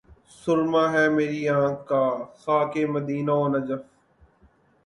سرمہ ہے میری آنکھ کا خاک مدینہ و نجف